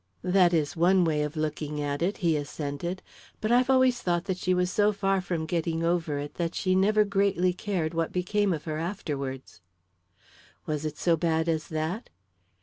"That is one way of looking at it," he assented; "but I've always thought that she was so far from getting over it that she never greatly cared what became of her afterwards." "Was it so bad as that?"